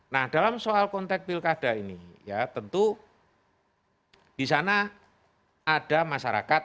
nah dalam soal konteks pilkada ini ya tentu di sana ada masyarakat